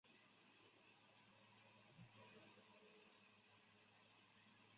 狮子队是唯一驻锡昆士兰的队伍。